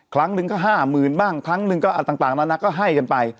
ครั้งหนึ่งก็๕๐๐๐บ้างครั้งหนึ่งก็ต่างนานาก็ให้กันไป